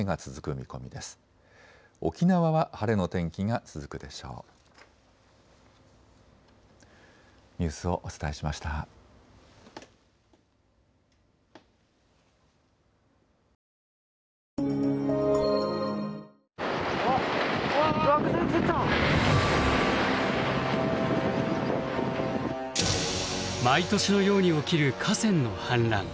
毎年のように起きる河川の氾濫。